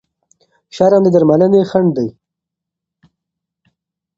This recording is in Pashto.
شرم د درملنې خنډ دی.